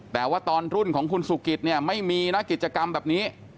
แต่ว่าตอนรุ่นของคุณสุกิตเนี่ยไม่มีนะกิจกรรมแบบนี้